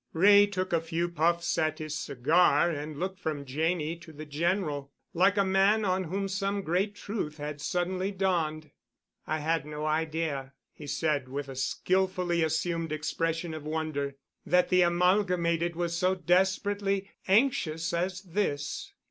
Wray took a few puffs at his cigar and looked from Janney to the General, like a man on whom some great truth had suddenly dawned. "I had no idea," he said, with a skillfully assumed expression of wonder, "that the Amalgamated was so desperately anxious as this."